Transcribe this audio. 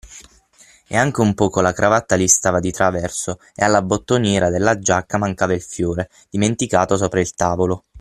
E anche un poco la cravatta gli stava di traverso e alla bottoniera della giacca mancava il fiore, dimenticato sopra il tavolo.